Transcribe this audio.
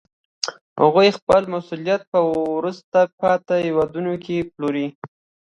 هغوی خپل محصولات په وروسته پاتې هېوادونو کې پلوري